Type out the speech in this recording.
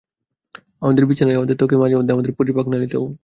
আমাদের বিছানায়, আমাদের ত্বকে, মাঝেমাঝে আমাদের পরিপাকনালীতেও।